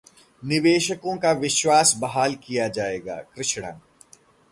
निवेशकों का विश्वास बहाल किया जाएगा: कृष्णा